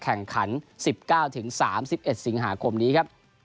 แข่งขัน๑๙๓๑สิงหาคมนี้ครับ